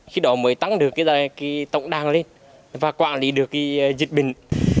khi đó mới tăng được tổng đàn lên và quản lý được dịch bệnh